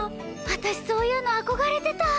私そういうの憧れてた！